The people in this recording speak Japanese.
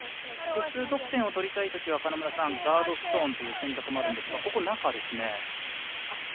複数得点を取りたいときはガードストーンという選択もあるんですがここ、中ですね。